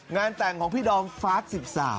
งานแต่งของพี่ดอมฟาส๑๓